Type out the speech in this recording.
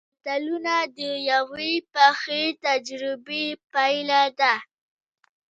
متلونه د یوې پخې تجربې پایله ده